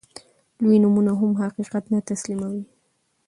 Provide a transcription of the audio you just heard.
لوی نومونه هم حقيقت نه تسليموي.